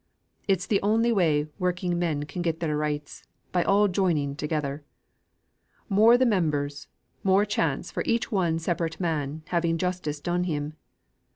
It's the only way working men can get their rights, by all joining together. More the members, more chance for each one separate man having justice done him.